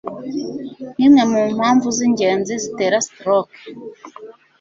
nk'imwe mu mpamvu z'ingenzi zitera stroke.